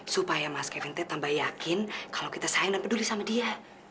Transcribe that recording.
supaya mas kevinte tambah yakin kalau kita sayang dan peduli sama dia